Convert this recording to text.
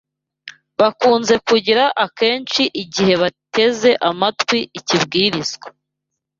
bakunze kugira akenshi igihe bateze amatwi ikibwirizwa